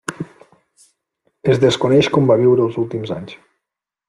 Es desconeix com va viure els últims anys.